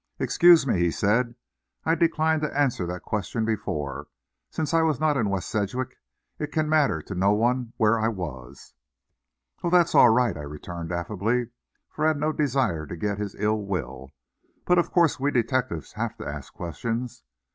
"Excuse me," he said. "I declined to answer that question before. Since I was not in West Sedgwick, it can matter to no one where I was." "Oh, that's all right," I returned affably, for I had no desire to get his ill will. "But of course we detectives have to ask questions.